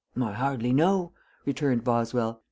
"I hardly know," returned Boswell.